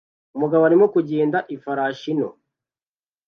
Umugabo arimo kugenda ifarashi nto